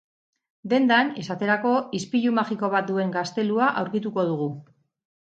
Dendan, esaterako, ispilu magiko bat duen gaztelua aurkituko dugu.